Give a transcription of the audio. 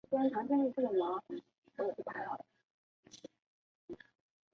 勒格灵是德国巴伐利亚州的一个市镇。